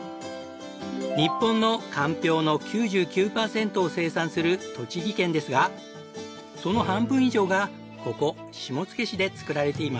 日本のかんぴょうの９９パーセントを生産する栃木県ですがその半分以上がここ下野市で作られています。